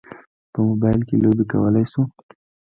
په موبایل کې لوبې کولی شو.